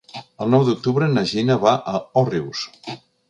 El nou d'octubre na Gina va a Òrrius.